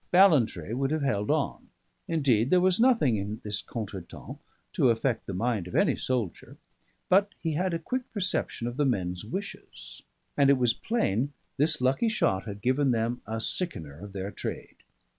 Ballantrae would have held on; indeed, there was nothing in this contretemps to affect the mind of any soldier; but he had a quick perception of the men's wishes, and it was plain this lucky shot had given them a sickener of their trade.